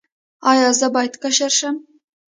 ایا زه باید کشر شم؟